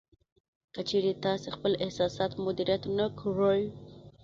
که چېرې تاسې خپل احساسات مدیریت نه کړئ